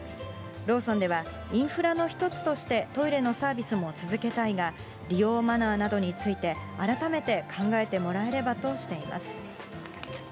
ローソンではインフラの一つとしてトイレのサービスも続けたいが、利用マナーなどについて、改めて考えてもらえればとしています。